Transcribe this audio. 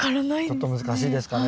ちょっと難しいですかね。